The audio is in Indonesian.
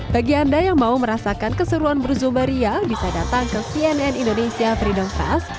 bagi anda yang mau merasakan keseruan berzuba ria bisa datang ke cnn indonesia freedom fest